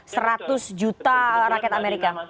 seratus juta rakyat amerika